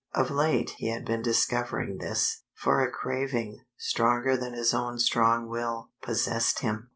Of late he had been discovering this, for a craving, stronger than his own strong will, possessed him.